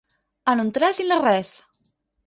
En un tres i no res.